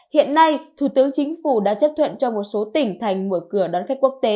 hiện nay thủ tướng chính phủ đã chấp thuận cho một số tỉnh thành mở cửa đón khách quốc tế